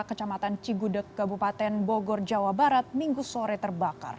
kecamatan cigudeg kabupaten bogor jawa barat minggu sore terbakar